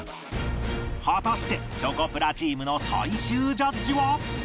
果たしてチョコプラチームの最終ジャッジは？